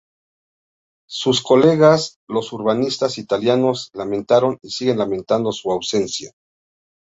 Sus colegas los urbanistas italianos lamentaron y siguen lamentando su ausencia.